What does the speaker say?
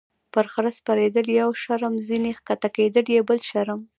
- پر خره سپرېدل یو شرم، ځینې کښته کېدل یې بل شرم.